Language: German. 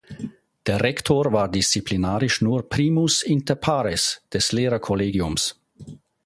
Der Rektor war disziplinarisch nur „primus inter pares“ des Lehrerkollegiums.